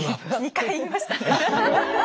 ２回言いましたね。